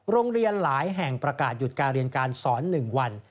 โรงเรียนหลายแห่งประกาศหยุดการเรียนการสอน๑วัน